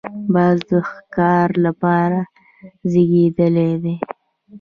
باز د ښکار لپاره زېږېدلی دی